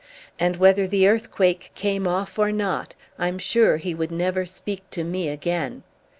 And whether the earthquake came off or not, I'm sure he would never speak to me again.